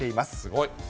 すごい。